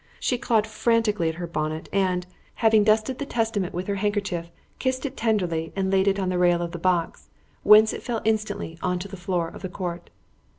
She clawed frantically at her bonnet, and, having dusted the Testament with her handkerchief, kissed it tenderly and laid it on the rail of the box, whence it fell instantly on to the floor of the court.